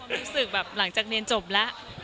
รู้สึกแบบหลังจากเรียนจบแล้ว